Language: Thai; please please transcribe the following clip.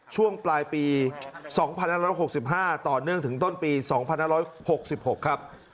ช่วงปลายปี๒๑๖๕ต่อเนื่องถึงต้นปี๒๕๖๖ครับ